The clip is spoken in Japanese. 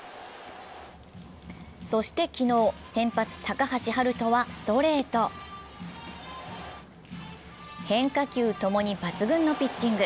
そして昨日、先発・高橋遥人はストレート、変化球ともに抜群のピッチング。